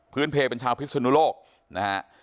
พื้นเพลย์เป็นชาวพิษสุนุโลก